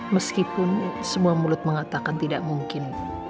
meskipun semua mulut mengatakan tidak mungkin